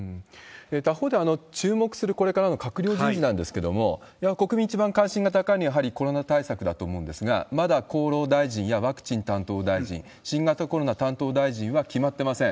他方で注目する、これからの閣僚人事なんですけれども、やはり国民一番関心の高いのはやはりコロナ対策だと思うんですが、まだ厚労大臣やワクチン担当大臣、新型コロナ担当大臣は決まってません。